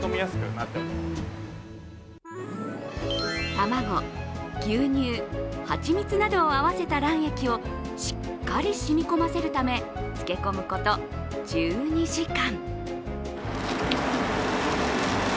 卵、牛乳、蜂蜜などを合わせた卵液をしっかり染み込ませるためつけ込むこと１２時間。